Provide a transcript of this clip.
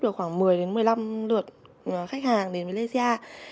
được khoảng một mươi đến một mươi năm lượt khách hàng đến với lê sia